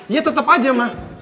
iya tetep aja mah